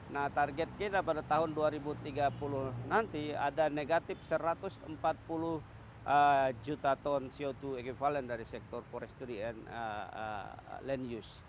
nah target kita pada tahun dua ribu tiga puluh nanti ada negatif satu ratus empat puluh juta ton co dua equivalent dari sektor foresty and land use